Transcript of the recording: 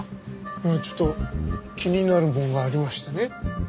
いやちょっと気になるものがありましてね。